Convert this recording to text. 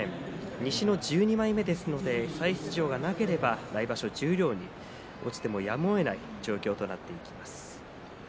西の１２枚目ですので再出場がなければ来場所十両に落ちてもやむをえない状況となっていきます。